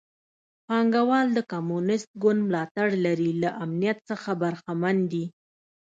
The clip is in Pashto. پانګوال د کمونېست ګوند ملاتړ لري له امنیت څخه برخمن دي.